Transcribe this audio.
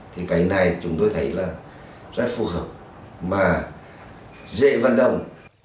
thì cái này chúng tôi thấy là rất phù hợp mà dễ vận động